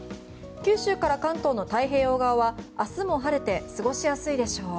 九州から関東の太平洋側は明日も晴れて過ごしやすいでしょう。